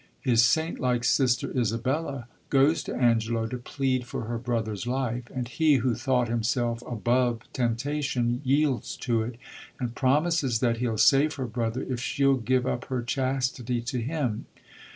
His saintlike sister Isabella goes to Angelo to plead for her brother's life ; and he, who thought him self alKDve temptation, yields to it, and promises that he'll save her brother if she'll give up her chastity to him.